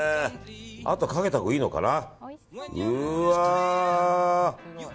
あと、かけたほうがいいのかな。